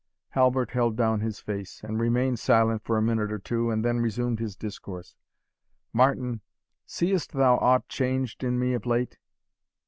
Halbert held down his face, and remained silent for a minute or two, and then resumed his discourse: "Martin, seest thou aught changed in me of late?"